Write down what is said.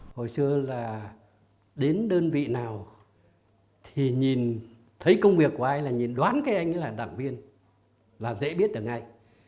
hồi xưa là đến đơn vị nào thì nhìn thấy công việc của ai là nhìn đoán cái anh ấy là đảng viên là dễ biết được ngay